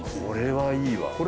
これはいいわ。